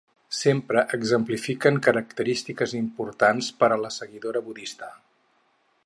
Sempre exemplifiquen característiques importants per a la seguidora budista.